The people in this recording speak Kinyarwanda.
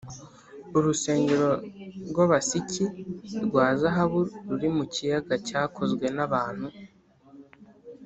urusengero rw’abasiki rwa zahabu ruri mu kiyaga cyakozwe n’abantu